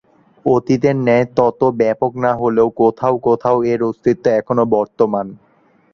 অতীতের ন্যায় তত ব্যাপক না হলেও কোথাও কোথাও এর অস্তিত্ব এখনও বর্তমান।